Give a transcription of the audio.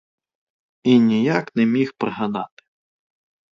І ніяк не міг пригадати.